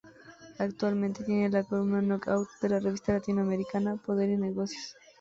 Actualmente tiene la columna "Knock Out" de la revista latinoamericana "Poder y Negocios".